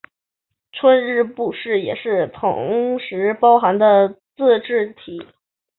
春日部市也是同时包含的自治体。